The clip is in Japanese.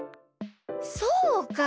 そうか！